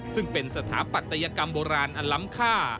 ซึ่งเป็นสถาปัตยกรรมโบราณอันล้ำค่า